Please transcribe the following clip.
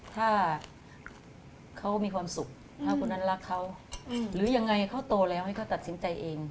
ถ้าเขามีความสุขถ้าคนนั้นรักเขาหรือยังไงเขาโตแล้วให้เขาตัดสินใจเอง